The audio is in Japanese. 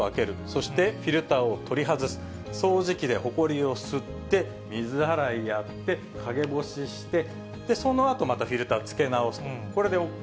そしてフィルターを取り外す、掃除機でほこりを吸って、水洗いやって、陰干しして、そのあとまたフィルターをつけ直すと、これでＯＫ。